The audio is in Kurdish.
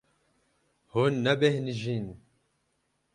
Hûn nebêhnijîn.